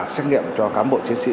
xét nghiệm cho cám bộ chiến sĩ